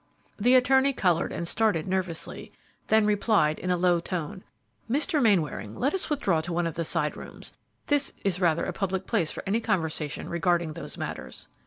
The attorney colored and started nervously, then replied in a low tone, "Mr. Mainwaring, let us withdraw to one of the side rooms; this is rather a public place for any conversation regarding those matters."